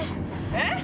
えっ？